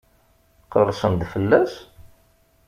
Qerrsen-d fell-as?